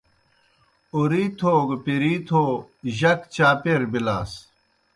اوْرِیتھو گہ پیْرِیتھو جک چاپیر بِلاس۔